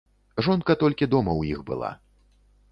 Жонка толькі дома ў іх была.